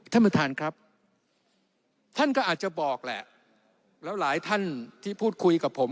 ท่านประธานครับท่านก็อาจจะบอกแหละแล้วหลายท่านที่พูดคุยกับผม